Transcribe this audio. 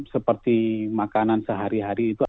seperti makanan sehari hari